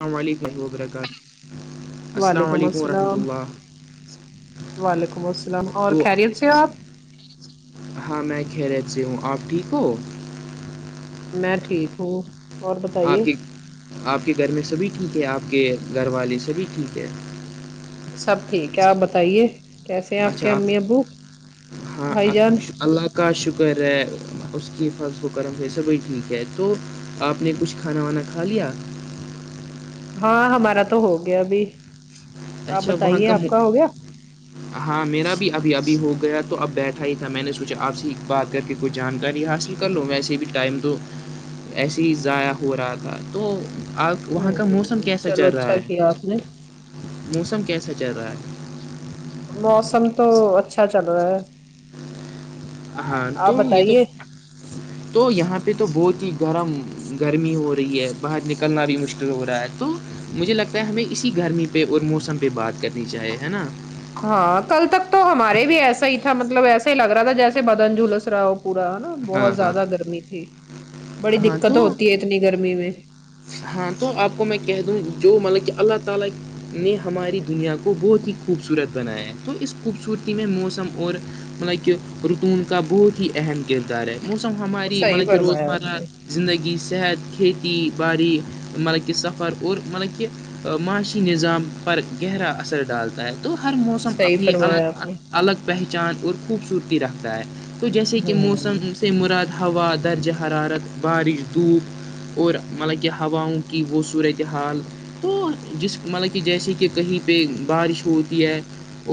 السلام علیکم وبرکاتہ السلام علیکم و رحمۃہ اللہ وعلیکم السلام اور خیریت سے ہو آپ ہاں میں کہ رہے سے ہوں آپ ٹھیک ہو میں ٹھیک ہوں آپ کے آپ کے گھر میں سبھی ٹھیک ہے آپ کے گھر والے سبھی ٹھیک ہے سب ٹھیک ہے آپ بتائیے کیسے ہیں آپ کے امی ابو بھائی جان کا شکر ہے اس کی فلس و کرم ہے سبھی ٹھیک ہے تو آپ نے کچھ کھانا وانا کھا لیا ہاں ہمارا تو ہو گیا بھی آپ بتائیے آپ کا ہو گیا ابھی ابھی ہو گیا تو اب بیٹھا ہی تھا میں نے سوچا آپ سے بات کر کے کوئی جانکاری حاصل کر لو ویسے بھی ٹائم تو ایسے ہی ضائع ہو رہا تھا تو آگ وہاں کا موسم کیسا چل رہا ہے کیا آپ نے موسم کیسا چل رہا ہے موسم تو اچھا چل رہا ہے ہاں تو یہ تو [unintelligible] تو یہاں پہ تو بہت ہی گرم گرمی ہو رہی ہے باہر نکلنا بھی مشکل ہو رہا ہے تو مجھے لگتا ہے ہمیں اسی گرمی پہ اور موسم پہ بات کرنی چاہے ہے نا ہاں کل تک تو ہمارے بھی ایسا ہی تھا مطلب ایسا ہی لگ رہا تھا جیسے بدن جھولس رہا ہو پورا ہے نا بہت زیادہ گرمی تھی بڑی دقت ہوتی ہے اتنی گرمی میں ہاں تو آپ کو میں کہہ دوں جو مطلب کہ اللہ تعالی نے ہماری دنیا کو بہت ہی خوبصورت بنایا ہے تو اس خوبصورتی میں موسم اور مطلب کہ رتون کا بہت ہی اہم کردار ہے موسم ہماری مطلب کہ روزمرہ زندگی صحت کھیتی باڑی مطلب کہ سفر اور مطلب کہ معاشی نظام پر گہرا اثر ڈالتا ہے ہے تو ہر موسم اپنی الگ الگ پہچان اور خوبصورت رکھتا ہے تو جیسے کہ موسم مراد ہوا درجہ حرارت بارش دھوپ اور مطلب کہ ہواؤں کی وہ صورت حال تو جس مطلب کہ جیسے کہ کہیں پہ بارش ہوتی ہے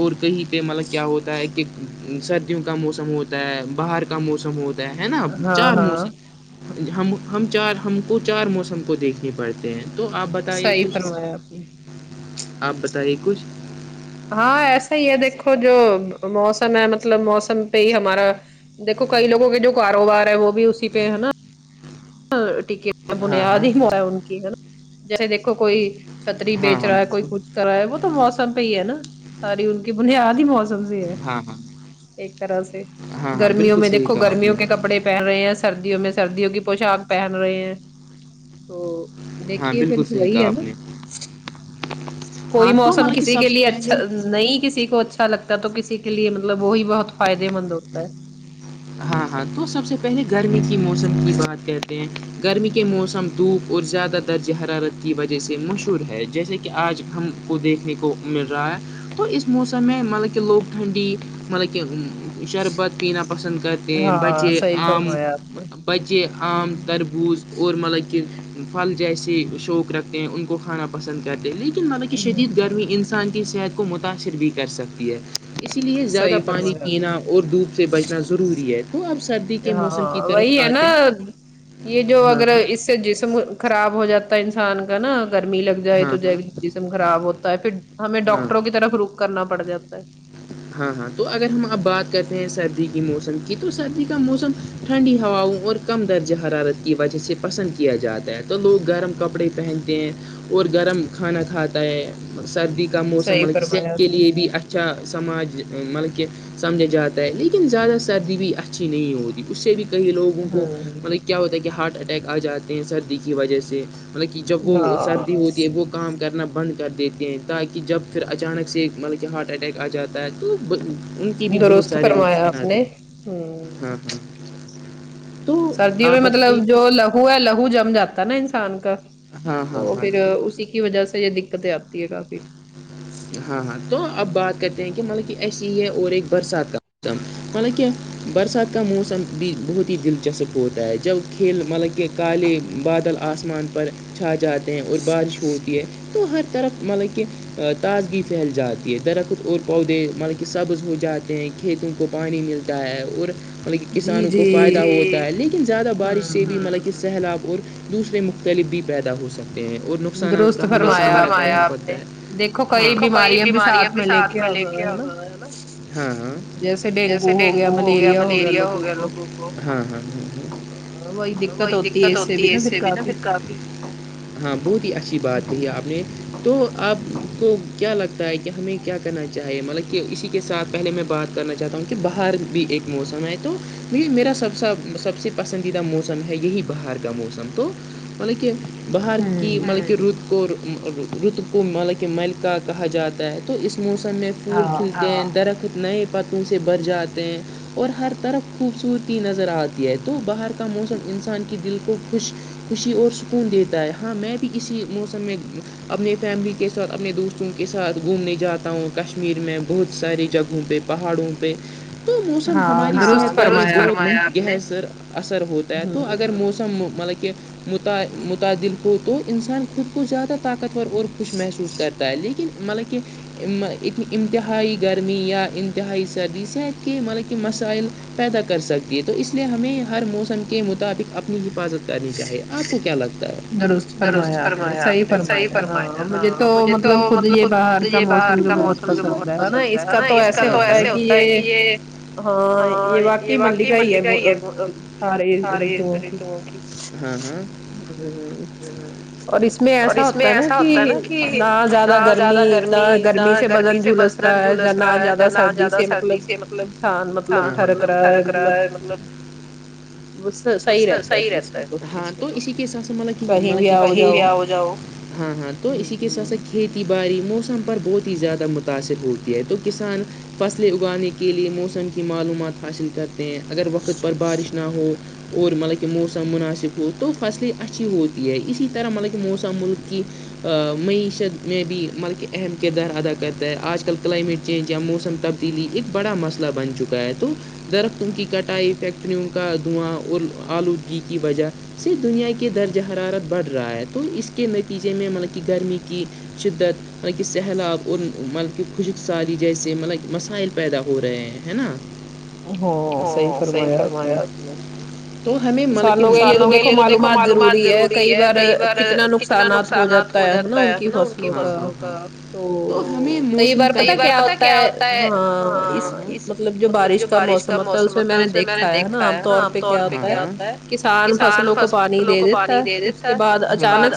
اور کہیں مطلب کیا ہوتا ہے کہ سردیوں کا موسم ہوتا ہے باہر کا موسم ہوتا ہے نا چار موسم ہم چار ہم کو چار موسم کو دیکھے پڑھتے ہیں تو آپ بتے کچھ آپ بتے کچھ ہاں ایسا ہی ہے دیکھو جو موسم ہے مطلب موسم پہ ہی ہمارا دیکھو کئی لوگوں کے جو کاروبار ہے وہ بھی اسی پہ ہے نا کے بنیاد ہی ہو ہے ان کی ہے نا جیسے دیکھو کوئی چھتری بیچ رہا ہے کوئی کچھ کر رہا ہے وہ تو موسم پہ ہی ہے نا ساری ان کی بنیاد ہی موسم س ایک طرح سے گرمیوں میں دیکھو گرمیوں کے کپڑے پہن رہے ہیں سردیوں میں سردیوں کی پوشاک پہن رہے ہیں تو دیکھیے پھر وہی ہے نا کوئی موسم کسی کے لیے اچھا نہیں کسی کو اچھا لگتا ہے تو کسی کے لیے مطلب وہی بہت فائدے مند ہوتا ہے ہاں ہاں تو سب سے پہلے گرمی کی موسم کی بات کہتے ہیں گرمی کے موسم دھوپ اور زیادہ ت درج حرارت کی وجہ سے مشہور ہے جیسے کہ آج ہم کو دیکھنے کو مل رہا ہے تو اس موسم میں مطلب کہ لوگ ٹھنڈی مطلب کہ شربت پینا کرتے ہیں بچے عام تل بوجھ اور مطلب کہ پھل جیسے شوق رکھتے ہیں ان کو کھانا پسند کرتے لیکن مطب کہ شدید گرمی انسان کی صحت کو متاثر بھی کر سکتی ہے اسی لیے زیادہ پانی پینا اور دھوپ سے بچنا ضروری ہے تو اب سردی ہاں وہی ہے نا یہ جو اگر اس جسم خراب ہو جاتا ہے انسان کا نا گرمی لگ جائے تو خراب ہوتا ہے پھر ہمیں ڈاکٹروں کی طرف روخ کرنا پڑ جاتا ہے ہاں ہاں تو اگر ہم اب بات کرتے ہیں سردی کی موسم کی تو سردی کا موسم ٹھنڈی ہواں اور کم درجہ حرارت کی وجہ سے پسند کیا جاتا ہے تو لوگ گرم کپڑے پہن اور گرم کھانا کھاتا ہے سردی کا موسم مطلب صحت کے لیے بھی اچھا [unintelligible] سماج مطلب کہ سمجھا جاتا ہے لیکن زیادہ سردی بھی اچھی نہیں ہوتی اس سے بھی کئی لوگوں کو مطلب کیا ہوتا ہے کہ ہارٹ اٹیک آ جاتے ہیں سردی کی وجہ سے مطلب کہ جب وہ سردی ہوتی ہے تو کام کرنا بند کر دیتے ہیں تاکہ جب پھر اچانک سے مطلب کہ ہارٹ اٹیک آ جاتا تو ان کے بھی بہت سارے نقصانات ہیں ہاں ہاں سردیوں میں مطلب جو ہو ہے لہو جم جاتا نا انسان کا تو پھر اسی کی وجہ سے یہ دقتیں آتی یہ کافی ہے ہاں ہاں تو اب بات کرتے ہیں کہ مطلب کہ ایسی ہی ہے اور ایک برسات کا موسم مطلب کہ برسات کا موسم بھی بہت ہی دلچسپ ہوتا ہے جب کھیل مطلب کہ کالے بادل آسمان پر چھا جاتے ہیں اور بارش ہوتی ہے تو ہر طرف مطلب کہ تازگی پھیل جاتی ہے درخت اور پودے ملے کے سبز ہو جاتے ہیں کہ کھیتوں کو پانی ملتا ہے اور مطلب کسانوں کو فائدہ ہوتا ہے لیکن زیادہ بارش سے بھی مطلب کہ سیلاب اور دوسرے مختلف بھی پیدا ہو سکتے ہیں اور نقصانات کا دیکھو کئی بیماریا بھی ساتھ میں لے کے آگا جیسے ڈینگو ہو گیا ملیریا ہو گیا لوگوں کو وہی دقت ہوتی ہے اس سے بھی ن پھر کافی ہاں بہت ہی اچھی بات کہی ہے آپ نے تو آپ کو کیا لگتا ہے کہ ہمیں کیا کرنا چاہیے مطلب کہ اسی کے ساتھ پہلے میں بات کرنا چاہتا ہوں کہ باہر بھی ایک موسم ہے تو یہ میرا سب سب سے پسندیدہ موسم ہے یہی بہار کا موسم تو مطلب کہ باہر کی مطلب کہ رت کو رتو کو مطلب کہ ملکا کہا جاتا ہے تو اس موسم میں پھول کھلتے ہیں درخت نئے پتوں سے بر جاتے ہیں اور ہر طرف خوبصورتی نظر آتی ہے تو باہر کا موسم انسان کی دل کو خوش خوشی اور سکون دیتا ہے ہاں میں بھی اسی موسم میں اپنے فیملی کے ساتھ اپنے دوستوں کے ساتھ گھومنے جاتا ہوں کشمیر میں بہت ساری جگہوں پر پہاڑوں پہ تو موسم ہماری صحت پر یہ سر اثر ہوتا ہے تو اگر موسم مطلب کہ متعادل پ تو انسان خود کو زیادہ طاقت اور خوش محسوس کرتا ہے لیکن مطلب کہ انتہائی گرمییا انتہائی سردی صحت کی مطلب کہ مسائل پیدا کر سکتی ہے تو اس لیے ہمیں ہر موسم کے مطابق اپنی حفاظت کرنی چاہیے آپ کو کیا لگتا ہےر فرمایا آپ نے صحیح فرمایا ہاں مجھے تو مطلب خ یہ باہر کا موسم جو بہت پسند ہے ہے نا اس کا تو ایسے ہوتا ہے کہ یہ ہاں یہ واقع ملکا ہی ہے سارے اسرے تو ہاں ہاں ہاں اور اس اس میں ایسا ہوتا ہے نا کہ نہ زیادہ گرمی نہ گرمی سے بدن جلس رہا ہے یا نہ زیادہ سردی سے مطلب انسان مطلب ٹرک رہا ہے مطلب وہ صحیح رہتا ہے پھر اس میں تو تو اسی کے حساب سے مط ما ہاں ہاں تو اسی کے حساب سے کھیتی باڑی موسم پر بہت ہی زیادہ متاثر ہوتی ہے تو کسان فصلیں اگانے کے لئے موسم کی معلومات حاصل کرتے ہیں اگر وقت پر بارش نہ ہو اور مطلب کہ موسم مناسب ہو تو فصلیں اچھی ہوتی ہے اسی طرح مطلب کہ موسم ت مل کی معیشت میں بھی ملک اہم کردار ادا کرتا ہے آج کل کلائمیٹ چینج یا موسم تب تبدیلی ایک بڑا مسئلہ بن چکا ہے تو درختوں کی کٹائی فیکٹریوں کا دھواں اور آلودگی کی وجہ سے دنیا کے درجہ حرارت بڑھ رہا ہے تو اس کے نتیجے میں مطلب کہ گرمی کی شدت مطلب کہ سیلاب اور مطلب کہ خوشک سالی جیسے مطلب مسائل پیدا ہو رہے ہیں ہیں نا ہاں صحی فرمایا آپ نے تو ہمیں مل سالوں کے لیے تو دیکھو معلومات ضروری ہے کئی بار اتنا نقصانات ہو جاتا ہے نا ان کی فسلوں کا تو ہمیں موس کا یہ بار پتا کیا ہوتا ہے ہاں اس مطلب جو بارش کا موسم ہوتا ہے اس میں نے دیکھا ہے نا عام طور پہ کیا کسان فصلوں کو پانی دے دیتا ہے اس کے بعد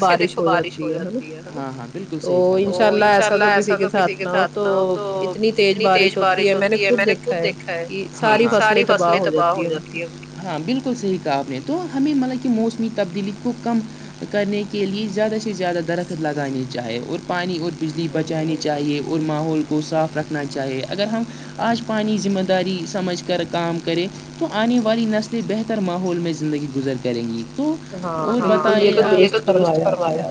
سے دیکھو بارش ہو جاتی ہے بالکل تو ان شاء اللہ ایسا تو کسی کے ساتھ ن تو اتنی تیز بارش ہوتی ہے میں نے خود دیکھا ہے ساری فصلیں تباہ ہو جات ہے ہاں بالکل صحیح کہا آپ نے تو ہمیں مطلب کہ موسمی تبدیلی کو کم کرنے کے لیے زیادہ سے زیادہ درخت لگانانی چاہے اور پانی اور بجلی بچانی چاہیے اور ماحول کو صاف رکھنا چاہیے اگر ہم آج پانی ذمہ داری سمجھ کر کام کریں تو آنے والی نسلیں بہتر ماحول میں زندگی گزرتی کریں گی تو اور بت درست فوایا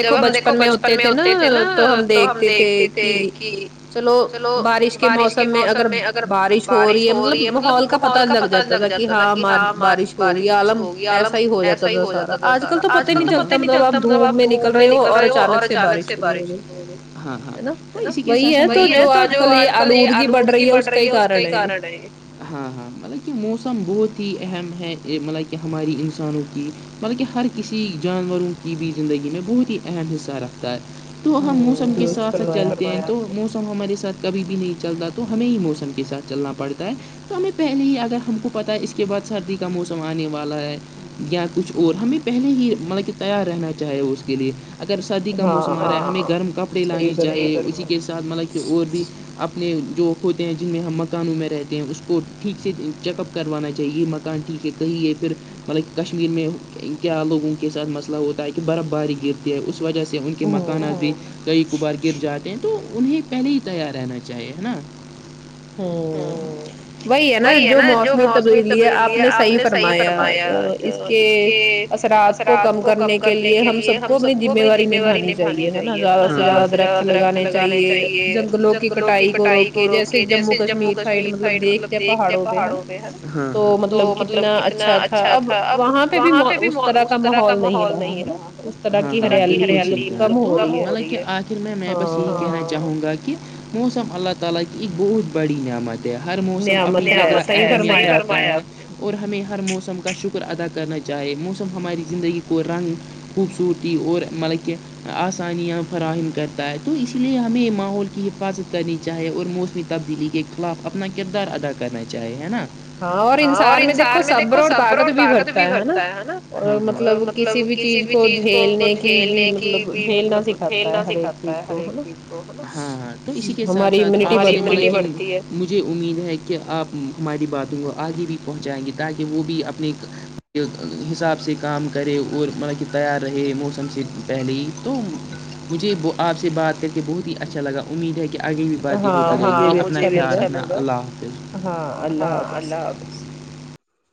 جب ہم دیکھو بچپن میں ہوتے تھے نا تو ہم دیکھتے تھے کہ چلو بارش کے موسم میں اگر بارش ہو رہی ہے مطلب ماحول کا پتا نہیں لگ جات تھا کہ ہاں مار بارش ہوگئی آالم ایسا ہی ہو جاتا تھا سارا آج ک آج کل تو پتہ ہی نہیں چلتا مطلب آپ دھوپ میں نکل رہ ہو اور اچانک سے بارش ہو رہ ہے ہاں ہاں اسی کے وہی ہے تو جو آج کل یہ آلودگی بڑھ رہی ہے اس کا ہی کارن نہیں ہاں ہاں مطلب کہ موسم بہت ہی اہم ہے مطلب کہ ہماری انسانوں کی بلبکہ ہر کسی جانوروں کی بھی زندگی میں بہت ہی اہم حصہ رکھتا ہے تو ہم موسم کے ساتھ ساتھ چلتے ہیں تو موسم ہمارے ساتھ کبھی بھی نہیں چلتا تو ہمیں ہی موشن کے ساتھ چلنا پڑتا ہے تو ہمیں پہلے ہی اگر ہم کو پتاہ ہے اس کے بعد سردی کا موسم آنے والا ہے یا کچھ اور ہمیں پہلے ہی مطلب کہ تیار رہنا چاہے اس کے لیے اگر سردی کا موسم آ رہا ہے ہمیں گرم کپڑے لانے چاہیے اسی کے ساتھ مطلب کہ اور بھی اپنے جو ہوتے ہیں جن میں ہم مکانوں میں رہتے ہیں اس کو ٹھیک سے چیک اپ کروانا چاہیے مک کانٹٹی کے کہیں یہ پھر مطلب کشمیر میں کیا لوگوں کے ساتھ مسئلہ ہوتا ہے کہ برف باری گد ہیں اس وجہ سے ان کے مکانات بھی کئی کبار کے گر جاتے ہیں تو انہیں پہلے ہی تیار رہنا چاہیے ہے نا ہوں وہی ہے نا جو موسمی تبدیلی ہے آپ نے صحیح فرمایا اس کے اثرات کو کم کرنے کے لیے ہم سب کو اپنی ذمہ داری نبھانی چاہیے نا زیادہ درخت لگانے چاہیے ج لوک کٹائی کو روک کے جیسے جموں کشمیر سائڈ مطلب دیکھتے پہاڑوں پہ ہے تو مطلب کتنا اچھا تھا اب وہاں پہ بھی [inaudible] اس طرح کا محول نہیں رہا رک ہرلی م آخر میں بس یہی کہنا چاہوں گا کہ موسم اللہ تعالی کی ایک بہت بڑی نعمت ہر موسم اپنے اور ہش ہر موسم کا شکر ادا کرنا چاہے موسم ہماری زندگی کو رنگ خوبصورتی اور مطلب کہ آسانیاں فراہم کرتا ہے تو اسی لیے ہمیں ماحول کی حفاظت کرنی چاہیے اور موسمی تبدیلی کے خلاف اپنا کردار ادا کرنا چاہی ہے نا ہاں اور انسان میں دیکھو صبر اور طاقت بھی بھرتا ہے ہے نا اور مطلب کسی بھی چیز کو جھیلنے کی بھی مطلب جھیلنا سکھاتا ہر ایک چیز کو ہاں ہاں تو اسی کے ساتھ ساتھ ہمارے [inaudible] مجھے امید ہے کہ آپ ہماری باتوں کو آگے بھی پہنچائیں گے تاکہ وہ بھی اپنے حصاب سب سے کام کرے اور مطلب کہ تیار رہے موسم سے پہلے ہی تو مجھے وہ آپ سے بات کر کے بہت ہی اچھا لگا امید ہے آگے بھی باتے ہوتی رہے گی اللہ حافظ ہاں اللہ حافظ